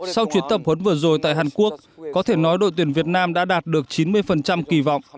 sau chuyến tập huấn vừa rồi tại hàn quốc có thể nói đội tuyển việt nam đã đạt được chín mươi kỳ vọng